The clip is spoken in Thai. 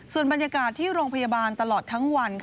ส่วนบรรยากาศที่โรงพยาบาลตลอดทั้งวัน